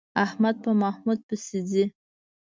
احمد په محمود پسې ځي.